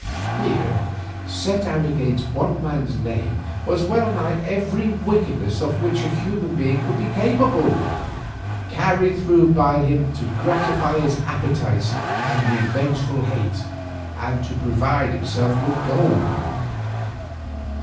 Here, set out against this one man's name, was well nigh every wickedness of which a human being could be capable, carried through by him to gratify his appetites and revengeful hate, and to provide himself with gold.